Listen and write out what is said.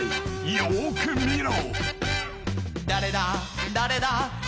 よく見ろ］